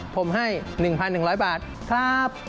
ผมให้๑๑๐๐บาทครับ